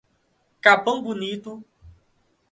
Capão Bonito